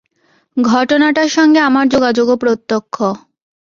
ঘটনাটার সঙ্গে আমার যোগাযোগও প্রত্যক্ষ।